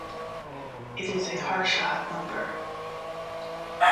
It is a Harshad number.